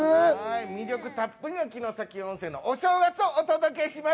魅力たっぷりの城崎温泉のお正月をお届けします。